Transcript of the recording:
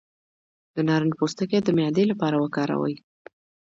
د نارنج پوستکی د معدې لپاره وکاروئ